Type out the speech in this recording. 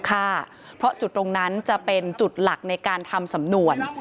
จุดที่ลงมือฆ่าเพราะจุดตรงนั้นจะเป็นจุดหลักในการทำสำนวน